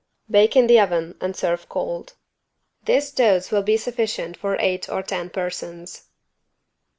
Bake in the oven and serve cold. This dose will be sufficient for eight or ten persons.